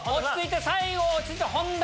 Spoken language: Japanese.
最後落ち着いて。